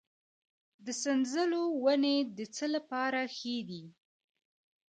د سنځلو ونې د څه لپاره ښې دي؟